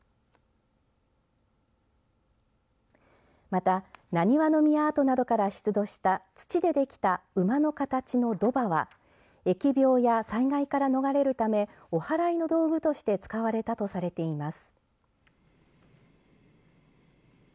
また、難波宮跡などから出土した土でできた馬の形の土馬は疫病や災害から逃れるためおはらいの道具として使われたとされています。